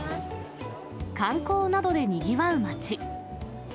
観光などでにぎわう街。